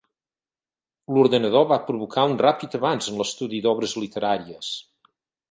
L'ordenador va provocar un ràpid avanç en l'estudi d'obres literàries.